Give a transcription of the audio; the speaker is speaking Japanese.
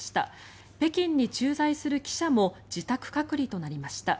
北京に駐在する記者も自宅隔離となりました。